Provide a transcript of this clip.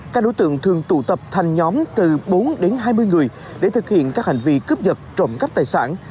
các đối tượng thường tụ tập thành nhóm từ bốn đến hai mươi người để thực hiện các hành vi cướp dật trộm cắp tài sản